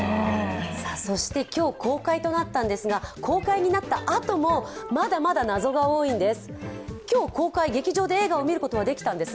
そして今日公開になったんですが、公開になったあともまだまだ謎が多いんです。